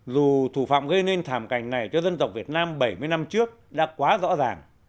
dù thủ phạm gây nên thảm cảnh này cho dân tộc việt nam bảy mươi năm trước đã quá rõ ràng